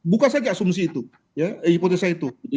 buka saja asumsi itu hipotesa itu